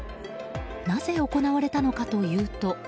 なぜ行われたのかというと。